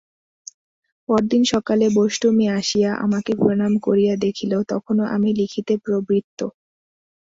পরদিন সকালে বোষ্টমী আসিয়া আমাকে প্রণাম করিয়া দেখিল, তখনো আমি লিখিতে প্রবৃত্ত।